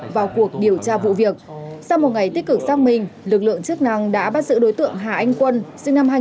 vào cuộc điều tra vụ việc sau một ngày tích cực xác minh lực lượng chức năng đã bắt giữ đối tượng hà anh quân